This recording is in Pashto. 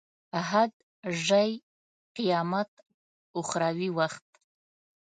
حد، ژۍ، قیامت، اخري وخت.